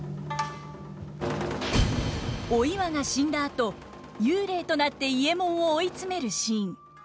お岩が死んだあと幽霊となって伊右衛門を追い詰めるシーン。